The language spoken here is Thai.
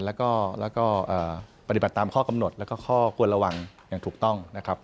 และปฏิบัติตามข้อกำหนดและข้อควรระวังอย่างถูกต้อง